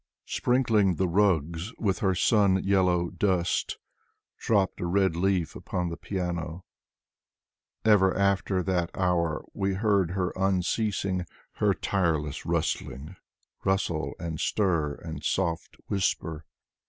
Sprinkling the rugs with her sun yellow dust. Dropped a red leaf upon the piano ... Ever after that hour, we heard her unceasing, her tireless rustling. Rustle and stir and soft whisper.